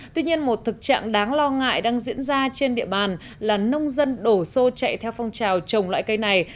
tuy nhiên một thực trạng đáng lo ngại đang diễn ra trên địa bàn là nông dân đổ xô chạy theo phong trào trồng loại cây này